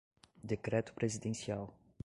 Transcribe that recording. Decreto presidencial